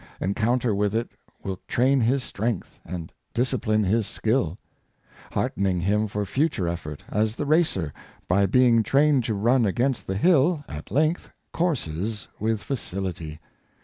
Encounter with it will train his strength, and discipline his skill; hearten ing him for future effort, as the racer, by being trained to run against the hill, at length courses with facility.